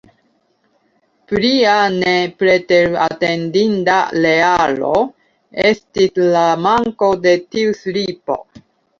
Plia nepreteratentinda realo estis la manko de tiu slipo.